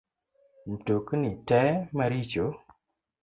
Mtokni te maricho